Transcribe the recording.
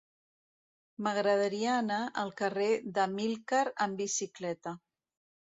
M'agradaria anar al carrer d'Amílcar amb bicicleta.